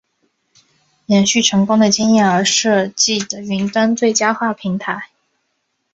延续成功的经验而设计的云端最佳化平台。